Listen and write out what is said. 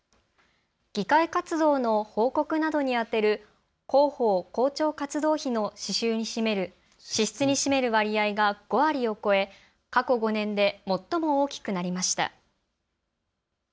議会活動の報告などに充てる広報・広聴活動費の支出に占める割合が５割を超え過去５年で最も大きくなりました。